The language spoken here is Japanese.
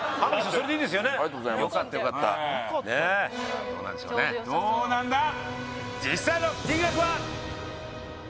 それでいいですよねありがとうございますよかったよかったさあどうなんでしょうねどうなんだ実際の金額は？